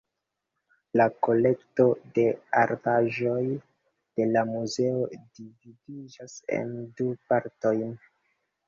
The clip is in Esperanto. La kolekto de artaĵoj de la muzeo dividiĝas en du partojn.